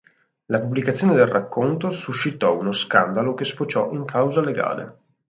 La pubblicazione del racconto suscitò uno scandalo che sfociò in causa legale.